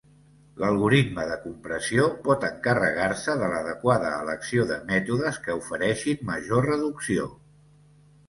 L’algoritme de compressió pot encarregar-se de l'adequada elecció de mètodes que ofereixin major reducció.